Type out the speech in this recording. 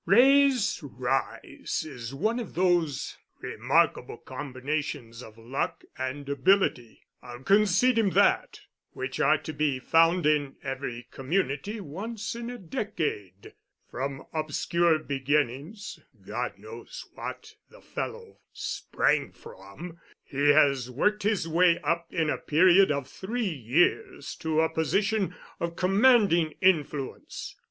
"Wray's rise is one of those remarkable combinations of luck and ability—I'll concede him that—which are to be found in every community once in a decade. From obscure beginnings—God knows what the fellow sprang from—he has worked his way up in a period of three years to a position of commanding influence.